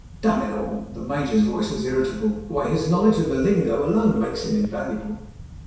Damn it all!" The Major's voice was irritable. Why, his knowledge of the lingo alone makes him invaluable."